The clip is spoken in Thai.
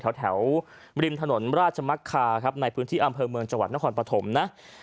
แถวริมถนนราชมักคาครับในพื้นที่อำเภอเมืองจังหวัดนครปฐมนะ